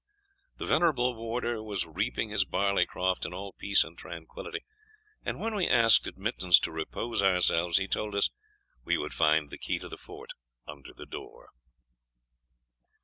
The venerable warder was reaping his barley croft in all peace and tranquillity and when we asked admittance to repose ourselves, he told us we would find the key of the Fort under the door.